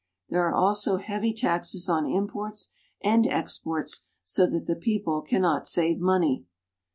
There are also heavy taxes on imports and exports, so that the people cannot save money.